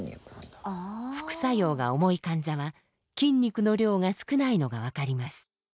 副作用が重い患者は筋肉の量が少ないのが分かります。